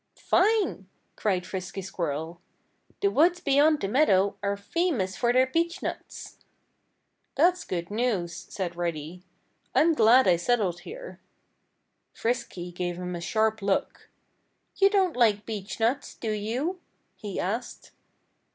"Fine!" cried Frisky Squirrel. "The woods beyond the meadow are famous for their beechnuts." "That's good news," said Reddy. "I'm glad I settled here."' Frisky gave him a sharp look. "You don't like beechnuts, do you?" he asked.